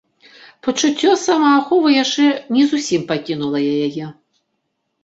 Пачуццё самааховы яшчэ не зусім пакінула яе.